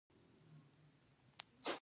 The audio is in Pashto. آیا چې باید ومنل شي؟